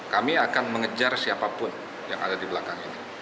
kami akan mengejar siapapun yang ada di belakang ini